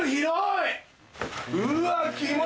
うわ！